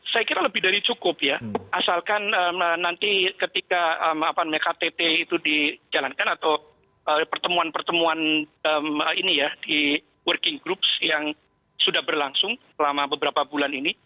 saya kira lebih dari cukup ya asalkan nanti ketika ttt itu dijalankan atau pertemuan pertemuan ini ya di working groups yang sudah berlangsung selama beberapa bulan ini